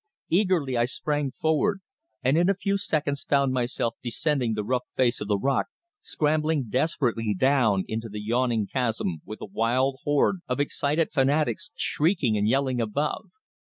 Eagerly I sprang forward, and in a few seconds found myself descending the rough face of the rock, scrambling desperately down into the yawning chasm with a wild horde of excited fanatics shrieking and yelling above.